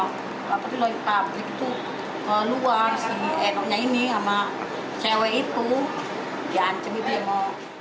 lalu di pabrik itu keluar si enoknya ini sama cewek itu dia ancem itu